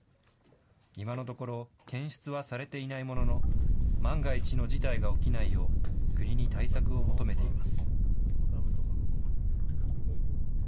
今のところ、検出はされていないものの、万が一の事態が起きないよう、国に対策を求めています。